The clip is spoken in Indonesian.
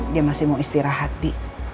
dia masih mau istirahat di